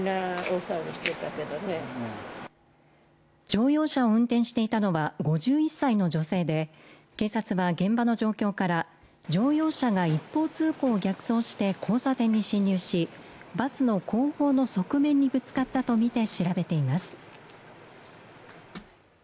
乗用車を運転していたのは、５１歳の女性で警察は現場の状況から乗用車が一方通行を逆走し交差点に進入し、バスの後方の側面にぶつかったとみて調べています。